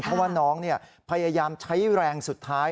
เพราะว่าน้องพยายามใช้แรงสุดท้าย